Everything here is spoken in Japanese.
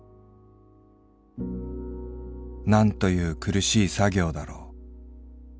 「何という苦しい作業だろう。